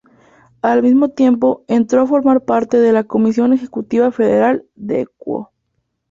Al mismo tiempo entró a formar parte de la Comisión Ejecutiva Federal de Equo.